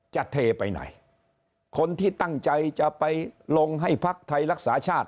เทไปไหนคนที่ตั้งใจจะไปลงให้พักไทยรักษาชาติ